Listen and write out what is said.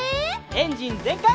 エンジンぜんかい！